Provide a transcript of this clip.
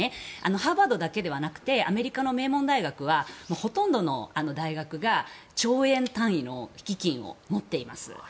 ハーバードだけじゃなくてアメリカの名門大学はほとんどの大学が兆円単位の基金を持っている。